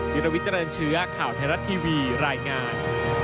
วิลวิเจริญเชื้อข่าวไทยรัฐทีวีรายงาน